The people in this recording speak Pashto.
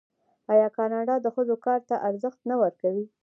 آیا کاناډا د ښځو کار ته ارزښت نه ورکوي؟